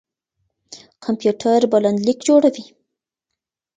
کمپيوټر بلنليک جوړوي.